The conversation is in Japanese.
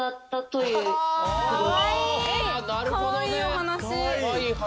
かわいいお話。